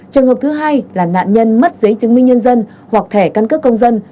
trường hợp thứ hai là nạn nhân mất giấy chứng minh nhân dân hoặc thẻ căn cước công dân